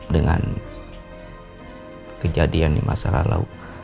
dengan kejadian di masa lalu